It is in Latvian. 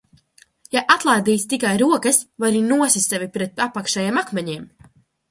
Ja atlaidīsi tikai rokas, vari nosist sevi pret apakšējiem akmeņiem!